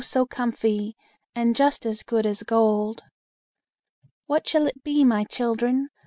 so comfy, And just as good as gold." "What shall it be, my children?